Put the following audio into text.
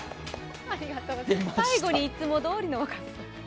最後にいつもどおりの若狭さん。